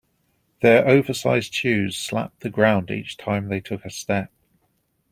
Their oversized shoes slapped the ground each time they took a step.